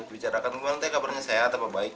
bicarakan kemana kabarnya sehat apa baik